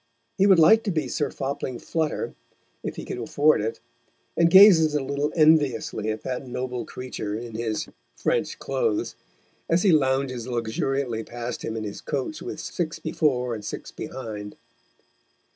He would like to be Sir Fopling Flutter, if he could afford it, and gazes a little enviously at that noble creature in his French clothes, as he lounges luxuriantly past him in his coach with six before and six behind.